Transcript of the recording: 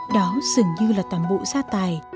đó dường như là toàn bộ gia tài